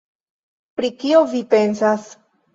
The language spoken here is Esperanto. Pri kio vi pensas?